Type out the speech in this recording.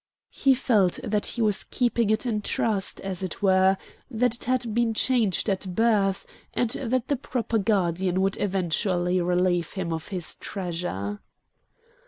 He felt that he was keeping it in trust, as it were; that it had been changed at birth, and that the proper guardian would eventually relieve him of his treasure.